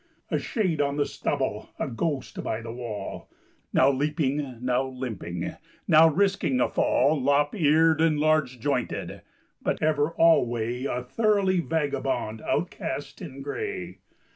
A shade on the stubble, a ghost by the wall, Now leaping, now limping, now risking a fall, Lop eared and large jointed, but ever alway A thoroughly vagabond outcast in gray.